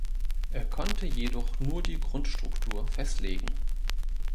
Er konnte jedoch nur die Grundstruktur festlegen.